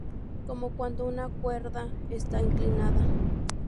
Como cuando una cuerda está inclinada.